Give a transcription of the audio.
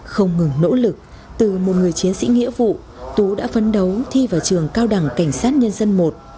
không ngừng nỗ lực từ một người chiến sĩ nghĩa vụ tú đã phấn đấu thi vào trường cao đẳng cảnh sát nhân dân một